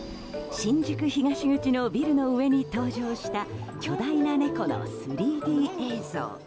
新宿東口のビルの上に登場した巨大な猫の３Ｄ映像。